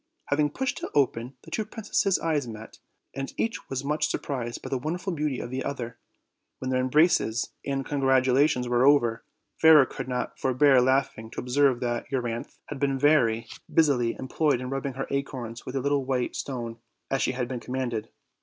Having pushed it open, the two princesses' eyes met, and each was much sur prised by the wonderful beauty of the other. When their embraces and congratulations were over, Fairer could not forbear laughing to observe that Euryauthe had been very 12 OLD, OLD FAIRY TALES. busily employed in rubbing her acorns with a littlo white stone, as she had been commanded.